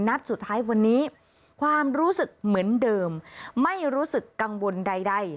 นัดสุดท้ายวันนี้ความรู้สึกเหมือนเดิมไม่รู้สึกกังวลใด